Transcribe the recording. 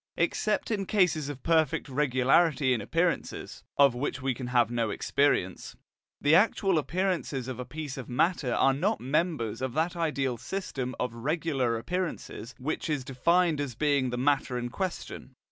Except in cases of perfect regularity in appearances (of which we can have no experience), the actual appearances of a piece of matter are not members of that ideal system of regular appearances which is defined as being the matter in question.